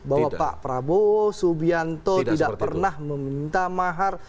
bahwa pak prabowo subianto tidak pernah meminta mahar